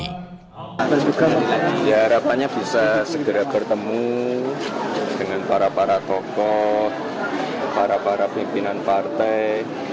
kita juga ya harapannya bisa segera bertemu dengan para para tokoh para para pimpinan partai